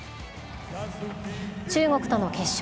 中国との決勝。